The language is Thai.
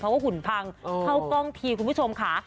เพราะว่าหุ่นพังเข้ากล้องทีคุณผู้ชมค่ะ